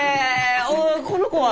あこの子は？